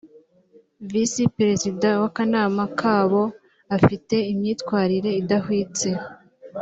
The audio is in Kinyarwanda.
visi perezida w’akanama kabo afite n’imyitwarire idahwitse